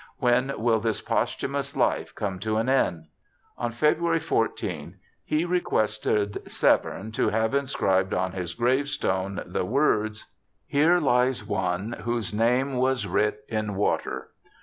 ' When will this posthumous life come to an end ?' On February 14 he requested Severn to have inscribed on his gravestone the words. Here lies one whose name was writ in water.